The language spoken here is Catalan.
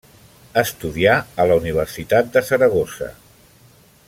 Estudià a la Universitat de Saragossa.